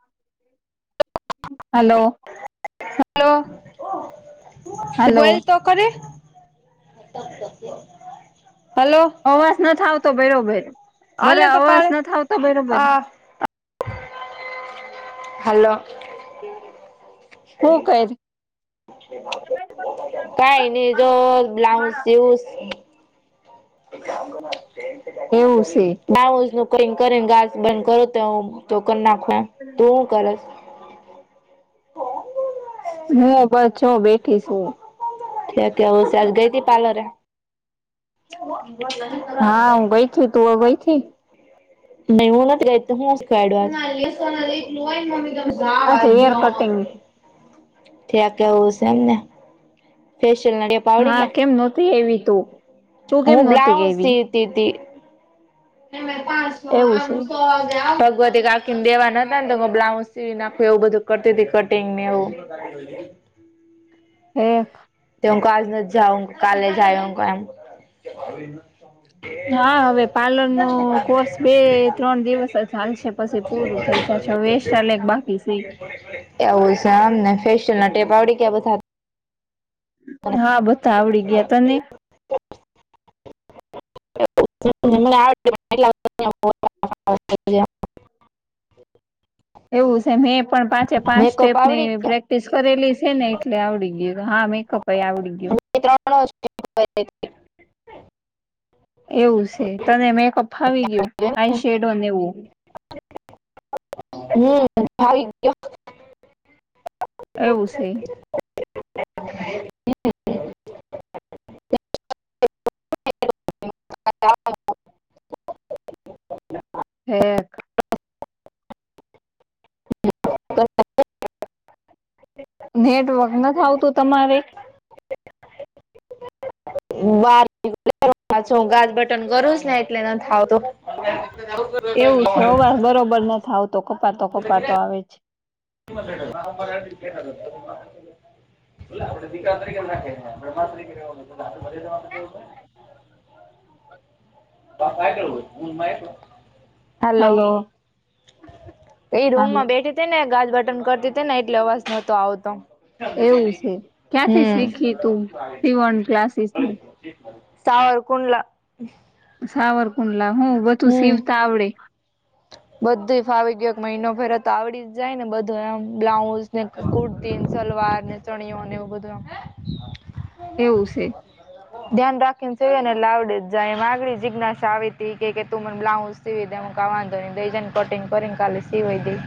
[inaudible] Hello hello બોલતો hello અવાજ ન થાવતો બરોબર હાલે બરા તો અવાજ કાલે ન થાવતો બરોબર આ હાલો હું ક ર કાઈ નિ જો બ્લાઉજ સ ગામ ગ ટ્રેન ક્યા કમે એવું અી છે નાું નું કઈ કરીને ઘાસ બંધ કરો તો તોોક નાખ તું હું કરસ હું બસ છ બેઠ કે હ ગઈથી પાલરે [inaudible] હા હું ગઈ છું તુંઓ ગઈથી ન ઓનત ગ તો હોસ ખડવા જા આ ભ તો ગ હેર કટિંગ ત કેવું છે એમને ફેલ હા કેમ નોતી એવી તું તું કેમ હું નહોતી બ્લાઉઝ એવી સીતી તી પાંચસ એવું આ છે સો ભગવતી કા દેવા નતા ને તો બ્લાઉઝ સીવી નાખું એવું બધું કરતી હતી કટિંગ ને એવું એક તે આજ નથી જાઓ કાલે જાય એમ હા હવે પાર્લર નું કોર્સ બે ત્રણ દિવસ ચાલશે પછી પૂરું થઈ જ છા વેસ્ટાલે એક બાકી સ એવું છેમ ને ફેશિયલ ના ટેપ આવડી કે બધા હા બધા આવડી ગયા તને [unintelligible] એવું છે મેં પણ પાંચે પાંચ મેકઅપ આવડી સ્ટેપની ગયો પ્રક. પલીસ કરેલી છે ને એટલે આવડી ગયું હા મેકઅપ આવડી ગયું. એ ત્રણ. એવું છે તને મેકઅપ ફાવી ગયું આ શેડોને એવું. હમ ભાવ. એવું છે. હ. [inaudible] [inaudible] એક. [inaudible] નેટવર્ક નથી આવતું તમારે. બ છો ગાસ બટન કરું જ ને એટલે ન થાવતો. [inaudible] ખબરન થઈ આવતો કપાતો કપાતો આવેજ. [inaudible] આપડે દીકરા તરીકે નાખે બ્રહ્ તરીકે મર્યાદા. [inaudible] તો કાય કે હોય નમાં. હલો હાલો એ હાલો રૂમમાં બેઠી થ ને. ગાજ બટન કરતી હતી ને એટલે અવાજ નહતો આવતો. એવું છે ક્યાંથી હમ. શીખી તું સીવણ ક્લાસીસ નું સાવર કુંડલા. સાવરકુંડલા હું બધું હમ શીવતા આવડે. બધું ફાવી ગય મહિનો ફેર તો આવડી જ જાય ને બધું એમ બ્લાઉઝ ને. કુર્તી ને સલવાર ને ચણઓ ને એવું બધું. એવું છે. ધ્યાન રાખીને સ ને લાવડીે જાય માગડી જીજ્ઞાસા આવી હતી કે તું મને બ્લાઉઝ સીવીકવા. દઈ જાય કટિંગ કરી કાલે સી હોઈ દઈ.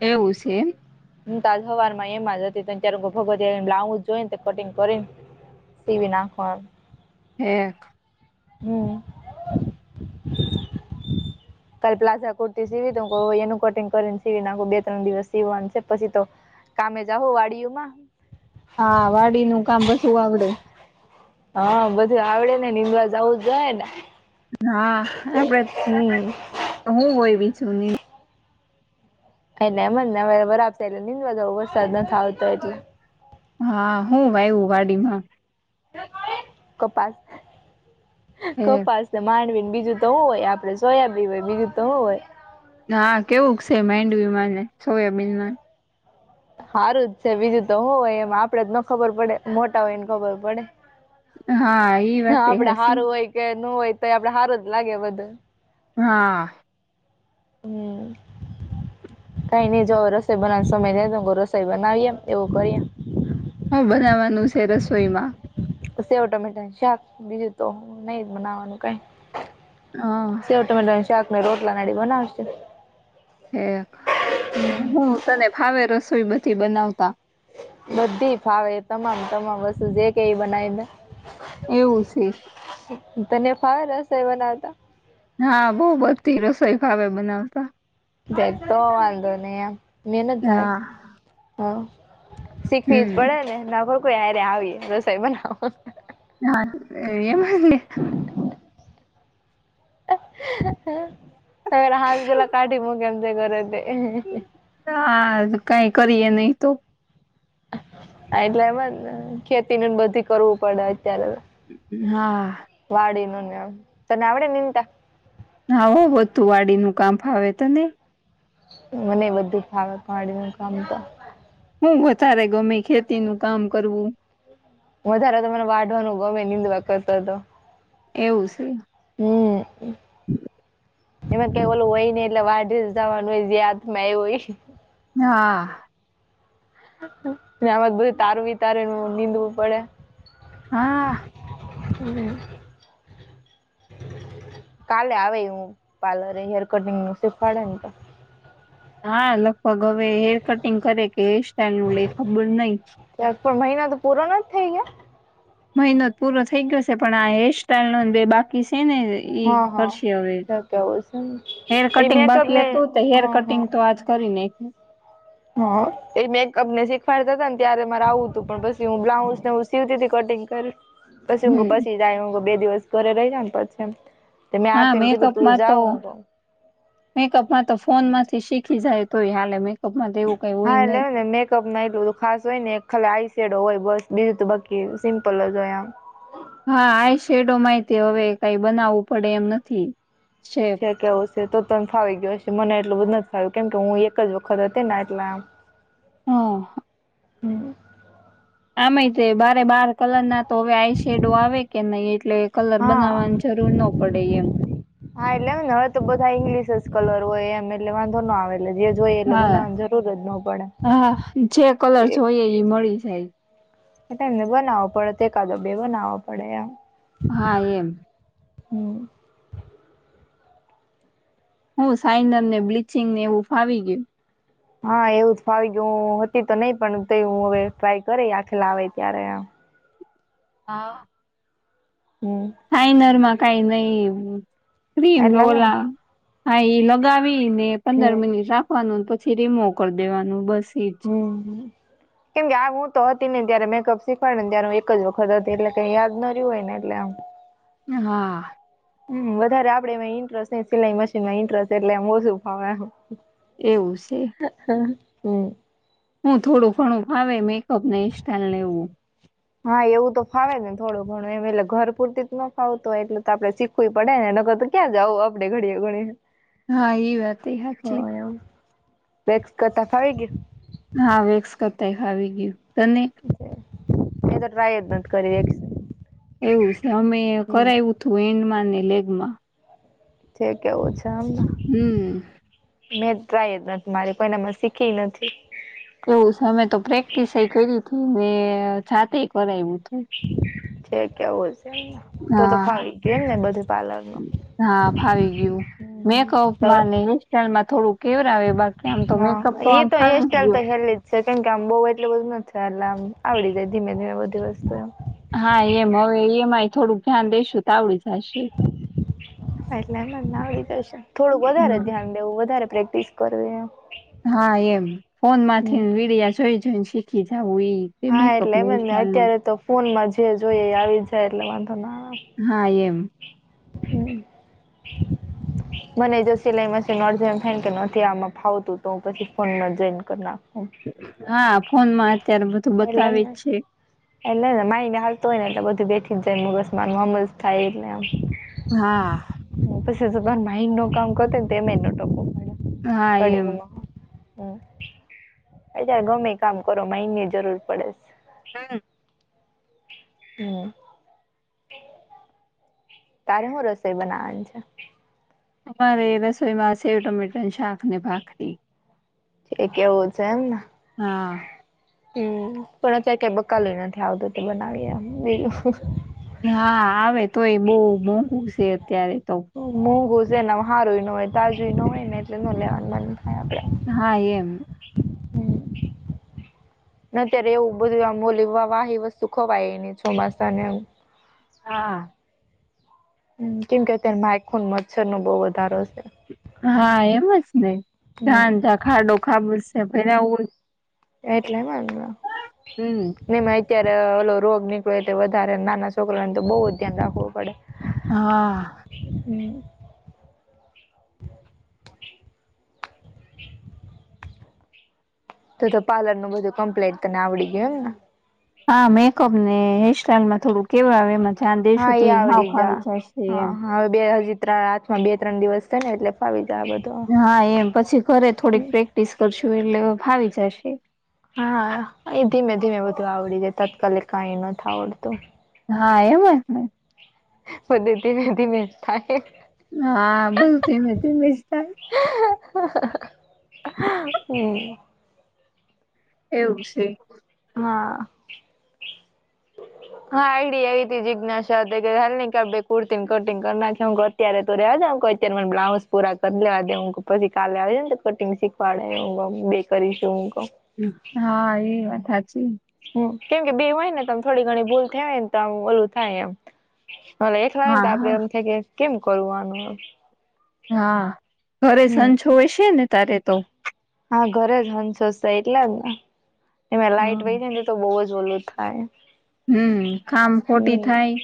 એવું છે. હું ત આજ હવારમાં એમાંજ હતી ત ત્યારે ભગવતે બ્લાઉઝ જોઈ ને કટિંગ કરીને. સીવી નાખર. એક. હમ. કાલે પ્લાઝા કુર્તી સીવી દઉ એનું કટિંગ કરીને સીવી નાખું બે ત્રણ દિવસ સીવાનું છે પછી તો. કામે જાઓ વાડીઓ માં. હા વાડી નું કામ બધું આવડે. હા બધું આવડે ને નિંદવા જવું જોએ ને. નાા હમ આપડે હું કોઈ બી છું ન. એ એમને બરાબ થ એટલે નિંદવા દઉ વરસાદ ન થ આવતો એટલે. હા હું વાયું વાડીમાં. કપાસ એ કપાસ. એલે માંડવીને બીજું તો શું હોય આપડે સોયાબીન હોય બીજું તો શું હોય. હા કેવું છે મેડવી્ય ને સોયાબીન માં. સારુંજ છે બીજું તો હો હોય એમ આપડેજ ન ખબર પડે મોટા હોય ને ખબર પડે. હા એ વાત હા આપડે હશે. સારું હોય કે ન હોય તો આપડે હારુંજ લાગે બધું. હા. હમ કઈ નહી જરસ બના. સમય થાય તો રસોઈ બનાવીએમ એવું કરીએમ. હ બનાવાનું છે રસોઈમાં સેવ ટમેટા શાક બીજું તો નહી જ બનાવાનું કઈ હ ત ત શાકને રોટલા નાડી બનાવશે હે હું તને ભાવે રસોઈ બધી બનાવતા બધી ફાવે તમામ તમામ વસ્તુ જે કે એ બનાવીને એવું છે તને ફાવેરશેયબનાવતાએ હા બહ બધી રસોઈ ખાવે બનાવતા જઈતો વાંધો નહી એમ મહનત ભાઈ હા હ શીખવી જ હમ પડે ને નાખ કોઈય આવી રસોઈ બનાવ હા એમને હવેેલા હાસ પેલા કાઢી મ કેમ છે ઘરે તે હા કઈ કરીએ નહી તો ા એટલે એમાંને ખેતીને બધી કરવું પડે અત્યારે હા વાડી નને તને આવડે નિતા હ હોો બદુ વાડી નું કામ ફાવે તને મને બધું ખાવે, પાણી નું કામ તો હું વધારે ગમે, ખેતી નું કામ કરવું. વધારે ત મને વાઢવાનું ગમે, દવા કરતો હતો. એવું છે. હમ. [unintelligible] એમાં કઈ ઓલું હોય ને? એટલે વાઢ જવાનું હોય, જે આથમાં એવું હોય. હા. આમાં બધું તારું વિતારેનું નીંદવું પડે. હા. અને. કાલે આવે, હું પાર્લર હેર કટિંગ નું શીખવાડે ને, તો એમાં. હા, લગભગ હવે હેર કટિંગ કરે કે હેર સ્ટાઈલ નું લે, ખબર નહીં. ત્યાંક પણ મહિના તો પૂરો ના જ થઈ ગયા. મહિનો જ પૂરો થઈ ગયો છે, પણ આ હેર સ્ટાઈલ નો બે બાકી છે ને. એ હા હા પછી હવે. ક્યાંક એવું છે હેર ને એ કટિંગ મેકઅપ બાકી ને હતું, તો હેર હા કટિંગ તો આજ કરીને. હ, એ મેકઅપ ને શીખવાડતા હતા ને, ત્યારે મારે આવું હતું, પણ પછી હું બ્લાઉઝ ને હું સીવતી કટિંગ કરી. પછી હ, હમ પછી જાય, હ, બે દિવસ ઘરે રહી જાય ને પછી. ત મેં હા આતીને કીધું, તું જાઉં. મેકઅપ માં તો ફોન માંથી શીખી જાય તોય હાલે મે. હા, એટલેે ને મેકઅપ ના એટલું ખાસ હોય ને, એક ખાલી આઈ શેડો હોય, બસ બીજું તો બાકી સિમ્પલ જ હોય, આમ. હા, આ શેડો માહિતી હવે કઈ બનાવવું પડે એમ નથી. શેપ છે કેવું છે તો, તને ફાવી ગયો હશે મને. એટલું બધું નથી થયું, કેમ કે હું એક જ વખત હતી ને એટલા. હા. હમ આમય છે, બારે બાર કલર ના. તો હવે આઈ શેડો આવે કે નહીં, એટલે કલર હા બનાવવાની જરૂર ન પડે એમ. હા, એટલે એમને હવે તો બધા ઈંગ્લિશ જ કલર હોય એમ, એટલે વાંધો નો આવે. એટલે જે જોઈએ, એટલે હા બનાવવાની જરૂર જ ન પડે. હા, જે કલર જોઈએ એ મળી જાય. એટલે એમને બવો પડે, કયારે બનાવો પડે એમ. હા, એમ. હમ. હું સાઈન્ડર, ને બ્લીચિંગ ને એવું ફાવી ગયું. હા, એવું જ ફાવી ગયું હતી તો નહીં, પણ હું હવે ટ્રાય કરી, આટલા આવે ત્યારે. હા. હમ. સાઇનરમાં કઈ નહીં, ક્રીમ એટલેમાં લોલા. હા, એ લગાવી ને પંદર હમ મિનિટ રાખવાનું, પછી રીમોવ કરી દેવાનું, બસ એ હમ. [unintelligible] કેમ કે આ હું તો હતી ને ત્યારે, મેકઅપ શીખવાડતા ને, ત્યારે હ, એક જ વખત હતી, એટલે કઈ યાદ ન રહ્યું હોય ને, એટલે આમ. હા. હમ, વધારે આપડે એમાં ઇન્ટસ્ટ નથી, સિલાઈ મશીન માં ઇન્ટરેસ્ટ એટલેમ ઓછું ફાવવા. એવું છે. હા, હમ. હું થોડું ઘણું ફાવે, મેકઅપ ને સ્ટાઈલ લેવું. હા, એવું તો ફાવે ને, થોડો ઘણો એમ એટલે ઘર પૂરતી જ, નહીં, ના ફાવતો હોય એટલે તો આપડે. ખઈ પડે ને, એ લોકો કરે તો ક્યાં જવું આપડે ઘડીએ ઘડી. હા, એ વાત સાચી. બેક્સ કતા ખાવ ગ હા વેક્સ કરતાય ફાવી ગયું તને એ તો ટ્રાય જ ન કરી એવું છે અમે હમ કરાવું હતું એન્ડમાં ને લેગમાં જે કેવું છે એમને હમ મેં ટ્રાય જ નથી મારી કોઈને અ શીખી નથી એવું છે અમે તો પ્રેક્ટિસ કરી હતી ને જાતે કરાવ્યું હતું જે કેવું છે તો તો હા ફાવી ગય એમને બધું પાર્લર નું હા ફાવી ગયું મેકઅપ તો માં અને હેરસ્ટાઈલમાં થોડું કેવર આવે બાકી આમ તો હા મેકઅપ એ આમ તો ફાવી એસ્ટ જ એલ્ તો ગયો એલ્ છે કેમ કે આમ બહુ એટલું બધું નથી છે એટલે આમ આવડી જાય ધીમે ધીમે બધી વસ્તુ એમ હા એમ હવે એમાંય થોડુંક ધ્યાન દઈેશુ ત આવડી જશે એટલે એમ લાવડી દશે થોડુંક વધારે ધ્યાન વધારે પ્રેક્ટિસ કરવી એ હા એમ ફોન માંથી વિીડિયા જોઈ જોઈને શીખી જવું ઈ તે હા મેકઅપ એટલે એમ જ ને હેરસ્ટાઈલ નું અત્યારે તો ફોનમાં જે જોઈ એ આવી જાય એટલે વાંધો ના હા એમ હમ મને જો સિલાઈમાં ન થાય કે નથી આમાં ફાવતું તો હ પછી ફોન જોઈન કરી નાખ હા ફોન માં અત્યારે બધ એલામ ના એટલેને માઈ ને હાલતો હોય ને એટલે બધું બેઠી જાય મુગસમા મોમ્મ થાય એટલેમ હા પછી માઇડ ન કામ કર ને તેમમે ટપે હા કડીંગ એમ હમ અજ ગમે કામ કરો એની જરૂર પડેસ હા હમ તારે હું રસોઈ બનાવાની છે અમારે રસોઈમાં છેવ ટમેટર શાક ને ભાખરી એક કેવું છે એમને હા હમ પણ અત્યારે કઈ બકાલું નથી આવતું તે બનાવી બીજું હા આવે તો એ બહુ મોંઘું છે અત્યારે તો મોંઘુ છેને હારુંઈ ન હોય તાજુઈ નો હોય ને એટલે ન લેવાનું મન થાય આપડે હા એમ [inaudible] નાત્યારે એવું બધું આમોલીવા વાહી વસ્તુ ખવાયને ચોમાસા ને હા કેમ કે અત્યારે માઇખોન મચ્છર નો બહ વધારો છે હા એમ જ ને હમ જ તા ખાડો ખાબુ છે પે આવું વટલે એમાં હમ નહી અત્યારે ઓલો રોગ નીકળે વધારે નાના છોકરાને તો બહુ ધ્યાન રાખવું પડે હા [inaudible] તો તો પાર્લ નનું બધું કમ્પ્લેટ તને આવડી ગયું એમને હા મેકઅપ ને હેરસ્ટાઈલ માં થોડું કેવા આવે એમાં ચા દેશ હા સુધ એ આવડી હાખા જા વિચારશે એમ હા હવે બે હજી ત્રણ હામાં બે ત્રણ દિવસ થ ને એટલે ફાવી જ બધ હા એમ પછી ઘરે થોડીક પ્રેક્ટિસ કરશું એટલે ભાવી જશે હા એ ધીમે ધીમે બધું આવડી જાય તત્કાલ કાંઈ ન આવડતું હા એમને મધથીમેથી મી થાય હા બધુ ધમેમે જ હમ એવું છે હા [inaudible] હા આઈડી એઐતી જિજ્ઞાસા દ હલ્ંગ કબ બેે કોુતાતીન કટિંગ કર નાક હંગ ગો અત્યારે તો રવા અત્યારે મને બ્લાઉઝ પૂરા કરી લેવા દે પછ કાલે આવીને તો કટિંગીખ પાડે હું બે કરીશું હું કમ હા એ વાત સાચી હમ કેમ કે બે હોય ને તમ થોડી ઘણી ભૂલ થઈવાય ને તો આમ ઓલું થાય એમ હ એકલા ને હા તો આપડે હા. એમ થ કે કેમ કરવું આનું હા ઘરે હમ સંં છોવે છે ને તારે તો હા ઘરે જ હંસો એટલે જ ને એ લાઈટ હમ. વહી તો બહુ જ ઓલું થાય હમ કામ ખોટી હમ થાય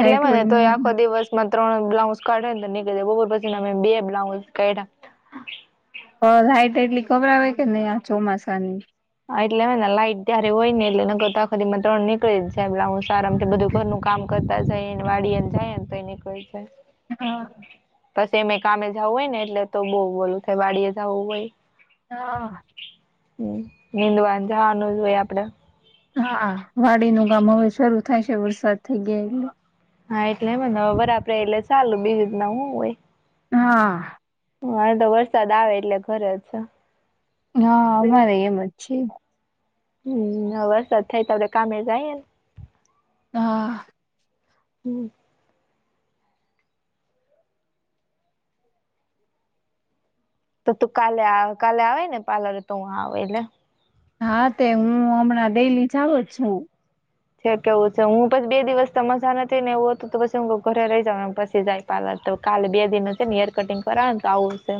એટલે લાઈટ મને હોય તોય આખો નહી. દિવસ ત્રણ બ્લાઉઝ કાઢને નીકળ બપોર પછી ના બે બ્લાઉઝ કાઢા હ લાઈટ એટલી ખબર આવે કે નહી આ ચોમાસાની હ એટલે લાઈટ ત્યારે હોય ને એટલે નતા આખા માં ત્રણ ની નીકળી જાય એ હું સારમથી બધું ઘરનું કામ કરતા જઈને વાડીને જાય ને તો એ નીકળી જાય હા પછી એમે કામે જવું હોય ને એટલે તો બહુ બોલું થાય વાડીિયે જવું હોય હા નિનીંદવાન જાનું જોઈ આપડે હા વાડીનુંું ગામ હવે શરૂુ થાય છે વરસાદ થઇ ગયા એટલે હા એટલે મને બરાપરે એટલે ચાલુ બીજ રીતના હું હોય હા હ હવે તો વરસાદ આવે એટલે ઘરે જ હા અમારે એમ જ છે હમ વરસાદ થાય [unintelligible] કામે જાયએ ને હા. [inaudible] તો તું કાલે આવ કાલે આવે ને [unintelligible] તો હું આવ એટલે હા તે હું અમણાં દેલી જાવ છું. છે કેવું છે હું પછી બે દિવસ તો મજા નથી ને એવું હતું. તો પછી હું ઘરે રહી જાવું પછી જાય [unintelligible] તો કાલે બે દિન છે ને હેર કટિંગ કરવા ને તો આવું છે.